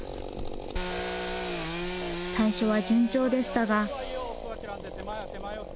最初は順調でしたが。